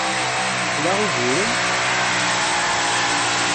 Tla uguren?